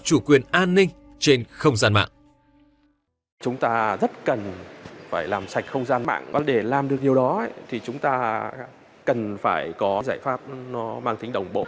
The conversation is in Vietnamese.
chủ quyền an ninh trên không gian mạng